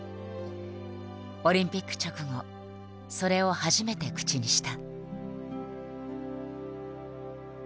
オリンピック直後それを初めて口にした。